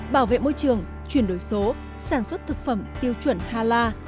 bảo vệ môi trường chuyển đổi số sản xuất thực phẩm tiêu chuẩn hala